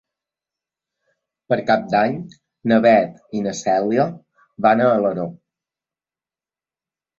Per Cap d'Any na Beth i na Cèlia van a Alaró.